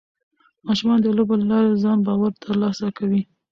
ماشومان د لوبو له لارې د ځان باور ترلاسه کوي.